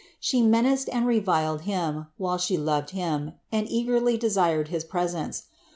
She menaced and reviled him, while she loved him, and eagerly desired his presence.